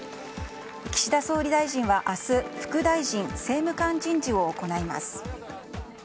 岸田総理大臣は、明日副大臣・政務官人事を行います。